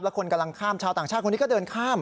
คนกำลังข้ามชาวต่างชาติคนนี้ก็เดินข้าม